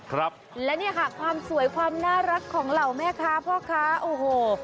ครับและเนี่ยค่ะความสวยความน่ารักของเหล่าแม่ค้าพ่อค้าโอ้โห